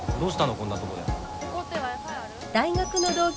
こんなとこで。